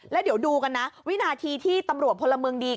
แล้วเดี๋ยวดูกันนะวินาทีที่ตำรวจพลเมืองดี